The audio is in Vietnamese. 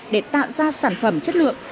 để tạo ra sản phẩm chất lượng